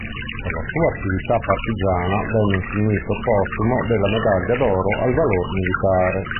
Per la sua attività partigiana venne insignito postumo della medaglia d'oro al valor militare.